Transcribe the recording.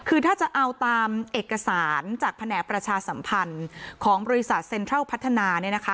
คือถ้าจะเอาตามเอกสารจากแผนกประชาสัมพันธ์ของบริษัทเซ็นทรัลพัฒนาเนี่ยนะคะ